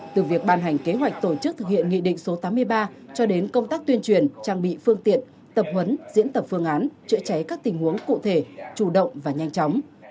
từ việc ban hành kế hoạch tổ chức thực hiện nghị định số tám mươi ba cho đến công tác tuyên truyền trang bị phương tiện tập huấn diễn tập phương án chữa cháy các tình huống cụ thể chủ động và nhanh chóng